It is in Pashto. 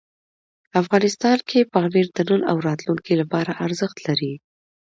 افغانستان کې پامیر د نن او راتلونکي لپاره ارزښت لري.